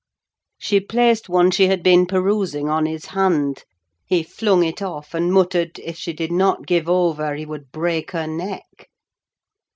She placed one she had been perusing on his hand; he flung it off, and muttered, if she did not give over, he would break her neck.